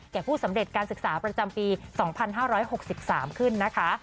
ผู้สำเร็จการศึกษาประจำปี๒๕๖๓ขึ้นนะคะ